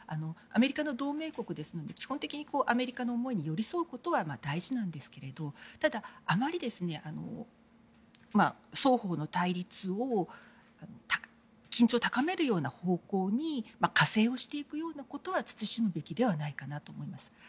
アメリカの同盟国ですので基本的にアメリカの思いに寄り添うことは大事なんですがただ、あまり双方の対立を緊張を高めるような方向に加勢をしていくようなことは慎むべきではないかと思います。